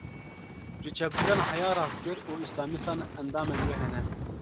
Ji çepgiran heya rastgir û Îslamîstan, endamên wê hene